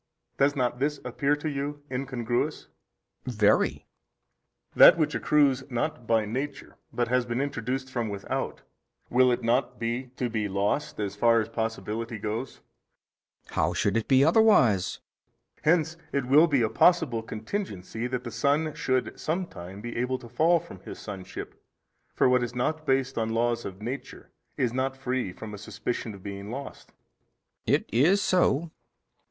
does not this appear to you incongruous? B. Very. A. That which accrues not by nature but has been introduced from without, will it not be to be lost, as far as possibility goes? B. How should it be otherwise? A. Hence it will be a possible contingency that the son should some time be able to fall from his sonship: for what is not based on laws of nature is not free from a suspicion of being lost. B. It is so.